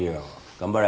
頑張れ。